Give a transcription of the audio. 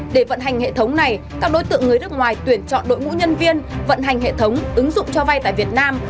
để vận hành hệ thống này các đối tượng người nước ngoài tuyển chọn đội ngũ nhân viên vận hành hệ thống ứng dụng cho vay tại việt nam